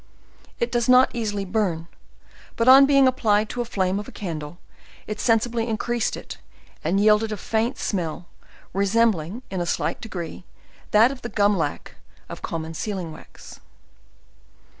It does not easily burn; but on beiug applied to the flame of a candle, it sensibly increased it, and yielded a faint smell, resembling in a slight degree, that of the gun lac of common sealing wax.